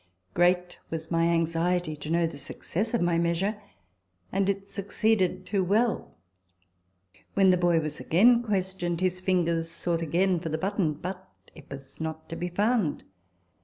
Great was my anxiety to know the success 152 RECOLLECTIONS OF THE of my measure ; and it succeeded too well. When the boy was again questioned, his fingers sought again for the button, but it was not to be found.